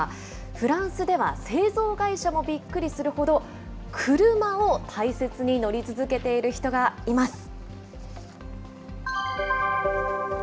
フランスでは、製造会社もびっくりするほど、車を大切に乗り続けている人がいます。